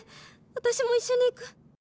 私も一緒に逝く！」。